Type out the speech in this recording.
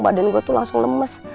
badan gue tuh langsung lemes